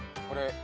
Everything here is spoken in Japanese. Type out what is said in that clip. これ。